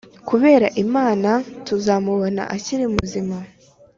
kubera imana tuzamubona akiri muzima